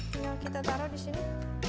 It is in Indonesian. tinggal kita taruh di sini